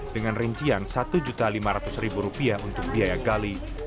dengan rincian satu lima ratus rupiah untuk biaya gali